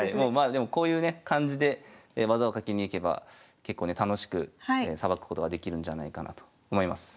でもこういうね感じで技をかけにいけば結構ね楽しくさばくことができるんじゃないかなと思います。